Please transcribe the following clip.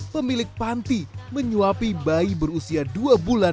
pemilik panti menyuapi bayi berusia dua bulan